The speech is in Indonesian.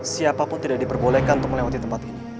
siapapun tidak diperbolehkan untuk melewati tempat ini